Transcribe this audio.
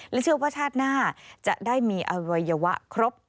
และเชื่อว่าชาติหน้าจะได้มีอวัยวะครบ